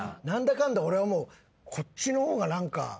何だかんだ俺はこっちの方が何か。